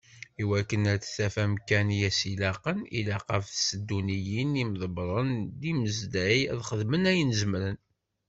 I wakken ad taf amkan i as-ilaqen, ilaq ɣef tsedduyin d yimḍebbren d yimezdaɣ, ad xedmen ayen zemmren.